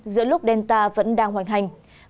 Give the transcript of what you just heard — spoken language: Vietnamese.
giữa lúc delta vẫn đang hoành hành